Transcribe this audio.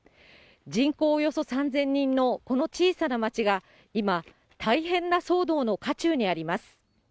人口およそ３０００人のこの小さな町が今、大変な騒動の渦中にあります。